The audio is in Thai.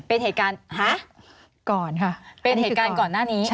เป็นเหตุการณ์ก่อนหน้านี้